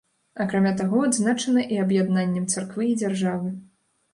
Акрамя таго, адзначана і аб'яднаннем царквы і дзяржавы.